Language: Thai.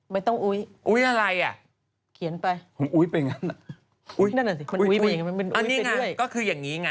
ไม่ต้องอุ๊ยอุ๊ยอะไรอะอุ๊ยไปอย่างนั้นอันนี้ง่ะก็คืออย่างนี้ง่ะ